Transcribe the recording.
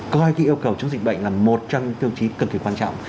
coi yêu cầu chống dịch bệnh là một trong những tiêu chí cực kỳ quan trọng